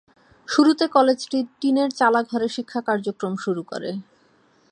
শুরুতে কলেজটি টিনের চালা ঘরে শিক্ষা কার্যক্রম শুরু করে।